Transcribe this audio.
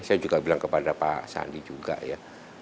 saya juga bilang kepada pak sandi juga ya